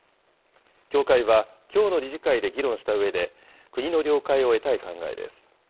協会は、きょうの理事会で議論したうえで、国の了解を得たい考えです。